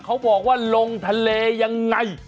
เขาบอกว่าลงทะเลยังไง